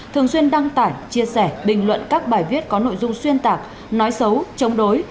thường xuyên đăng tải chia sẻ bình luận các bài viết có nội dung xuyên tạc nói xấu chống đối